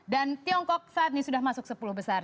dan tiongkok saat ini sudah masuk sepuluh besar